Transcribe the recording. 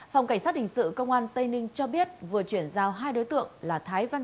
phòng cảnh sát hình sự công an tây ninh cho biết vừa chuyển giao hai đối tượng là thái văn